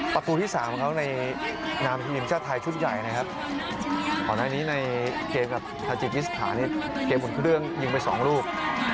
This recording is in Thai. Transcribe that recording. ประตูที่สามเขาในนามพิมพ์ชาติไทยชุดใหญ่นะครับอันนี้ในเกมกับทาจิตอิสถาเนี่ยเกมหมุนทุกเรื่องยิงไปสองลูก